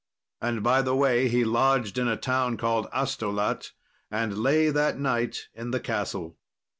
And by the way he lodged in a town called Astolat, and lay that night in the castle.